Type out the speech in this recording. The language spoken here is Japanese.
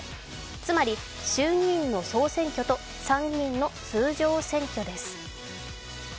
つまり、衆議院の総選挙と参議院の通常選挙です。